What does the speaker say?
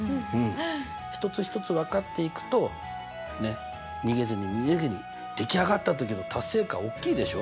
一つ一つ分かっていくとねっ逃げずに逃げずに出来上がったときの達成感おっきいでしょ？